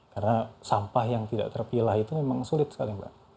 karena sampah yang tidak terpilah itu memang sulit sekali mbak